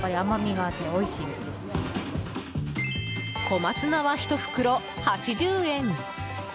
小松菜は１袋８０円！